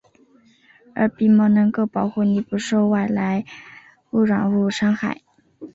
而鼻毛能够保护你不受外来污染物伤害。